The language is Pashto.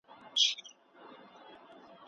آیا ته د ټولنیزو علومو په ارزښت پوهېږې؟